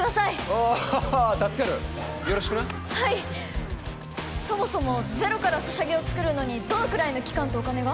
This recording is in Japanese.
ああ助かるよろしくなはいそもそもゼロからソシャゲを作るのにどのくらいの期間とお金が？